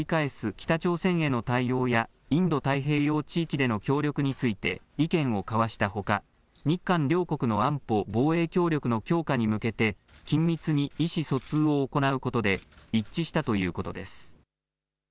北朝鮮への対応や、インド太平洋地域での協力について意見を交わしたほか、日韓両国の安保・防衛協力の強化に向けて、緊密に意思疎通を行うことで一致したということです。